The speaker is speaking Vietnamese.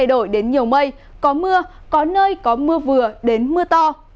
đổi đến nhiều mây có mưa có nơi có mưa vừa đến mưa to